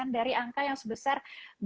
dari angka yang sebesar